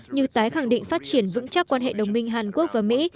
như tái khẳng định phát triển vững chắc quan hệ đồng minh hàn quốc và mỹ